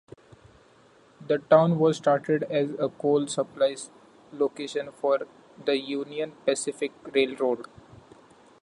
The town was started as a coal supply location for the Union Pacific Railroad.